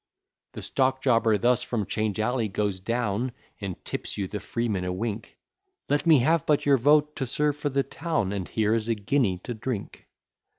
The stockjobber thus from 'Change Alley goes down, And tips you the freeman a wink; Let me have but your vote to serve for the town, And here is a guinea to drink.